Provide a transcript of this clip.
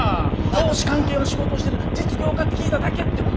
投資関係の仕事をしてる実業家って聞いただけってば。